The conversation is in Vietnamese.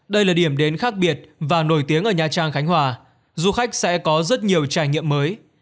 đây là điểm đến khác biệt và nổi tiếng ở nha trang khánh hòa du khách sẽ có rất nhiều trải nghiệm mới